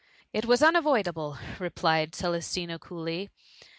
" It was unavoidable,'*' replied Celestina coolly.